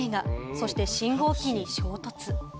そして信号機に衝突。